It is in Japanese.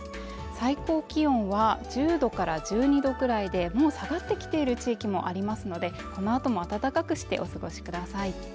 最高気温は１０度から１２度くらいでもう下がってきている地域もありますので、この後も暖かくしてお過ごしください。